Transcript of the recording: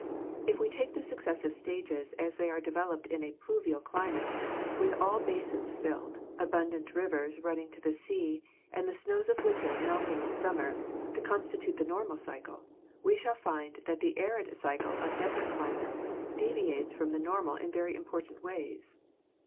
If we take the successive stages as they are developed in a pluvial climate, with all basins filled, abundant rivers running to the sea, and all the snow of winter melting in summer, to constitute the normal cycle, we shall find that the arid cycle of desert climates deviates from the normal in very important ways.